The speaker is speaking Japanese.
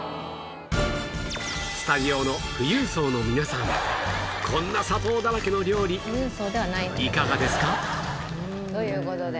スタジオの富裕層の皆さんこんな砂糖だらけの料理いかがですか？という事で。